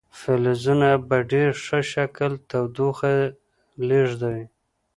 فلزونه په ډیر ښه شکل تودوخه لیږدوي.